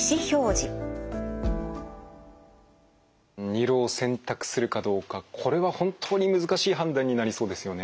胃ろうを選択するかどうかこれは本当に難しい判断になりそうですよね。